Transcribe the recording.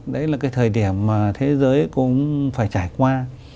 đấy là cái thời điểm mà thế giới cũng phải trải qua